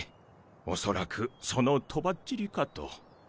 恐らくそのとばっちりかと。